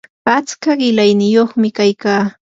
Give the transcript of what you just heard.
atska qilayniyuqmi kaykaa